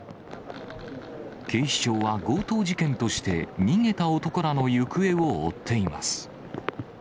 警視庁は強盗事件として、逃げた男らの行方を追っています。